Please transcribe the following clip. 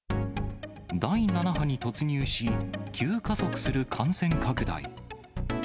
第７波に突入し、急加速する感染拡大。